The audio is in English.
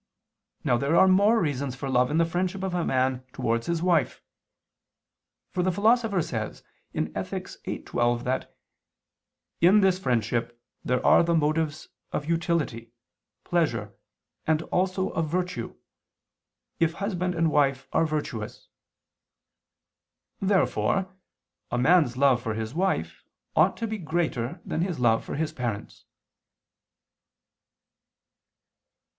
Now there are more reasons for love in the friendship of a man towards his wife. For the Philosopher says (Ethic. viii, 12) that "in this friendship there are the motives of utility, pleasure, and also of virtue, if husband and wife are virtuous." Therefore a man's love for his wife ought to be greater than his love for his parents.